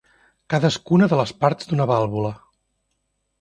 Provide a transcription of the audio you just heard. Cadascuna de les parts d'una vàlvula.